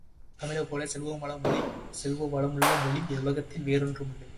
தமிழைப்போலச் சொல்வளமுள்ள மொழி உலகத்தில் வேறொன்றுமில்லை.